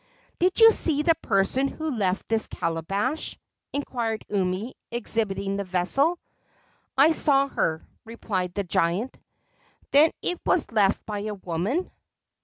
"Did you see the person who left this calabash?" inquired Umi, exhibiting the vessel. "I saw her," replied the giant. "Then it was left by a woman?"